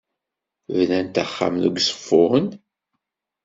Bnant axxam deg Uzeffun?